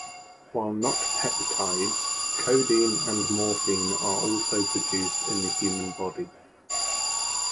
While not peptides, codeine and morphine are also produced in the human body.